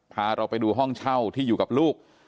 พาเราไปดูห้องเช่าที่อยู่กับลูก